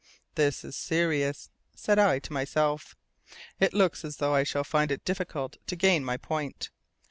"This is serious," said I to myself. "It looks as though I shall find it difficult to gain my point.